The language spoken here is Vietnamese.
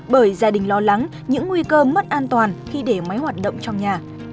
bởi gia đình lo lắng những nguy cơ mất an toàn khi để máy hoạt động trong nhà